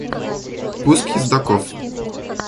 Пуск ездоков.